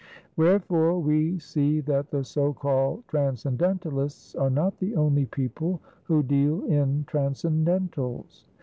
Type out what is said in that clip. Wherefore we see that the so called Transcendentalists are not the only people who deal in Transcendentals.